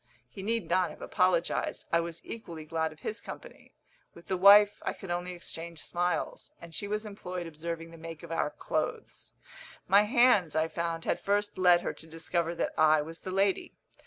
He need not have apologised; I was equally glad of his company. With the wife I could only exchange smiles, and she was employed observing the make of our clothes. My hands, I found, had first led her to discover that I was the lady.